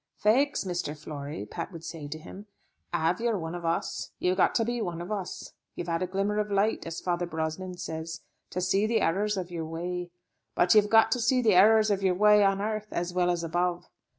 "Faix, Mr. Flory," Pat would say to him, "'av you're one of us, you've got to be one of us; you've had a glimmer of light, as Father Brosnan says, to see the errors of your way; but you've got to see the errors of your way on 'arth as well as above.